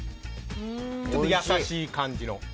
優しい感じの。